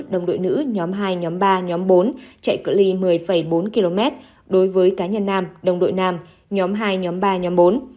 đồng đội nữ nhóm hai nhóm ba nhóm bốn chạy cửa ly một mươi bốn km đối với cá nhân nam đồng đội nam nhóm hai nhóm ba nhóm bốn